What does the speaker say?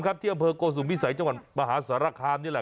แบบนี้คือแบบนี้คือแบบนี้คือแบบนี้คือ